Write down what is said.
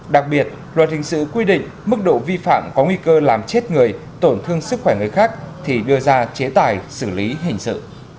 đặc biệt luật hình sự quy định mức độ vi phạm có nguy cơ làm chết người tổn thương sức khỏe người khác thì đưa ra chế tài xử lý hình sự